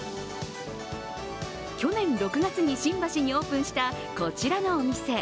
去年６月に新橋にオープンしたこちらのお店。